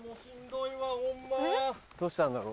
どうしたんだろ？